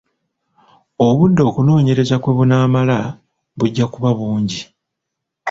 Obudde okunoonyereza kwe bunaamala bujja kuba bungi.